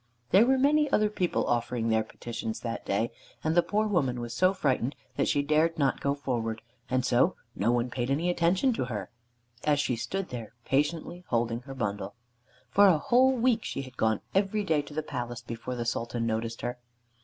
There were many other people offering their petitions that day, and the poor woman was so frightened that she dared not go forward, and so no one paid any attention to her as she stood there patiently holding her bundle. For a whole week she had gone every day to the palace, before the Sultan noticed her.